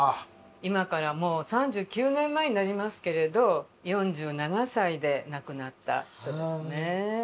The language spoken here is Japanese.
今からもう３９年前になりますけれど４７歳で亡くなった人ですね。